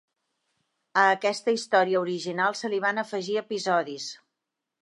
A aquesta història original se li van afegir episodis.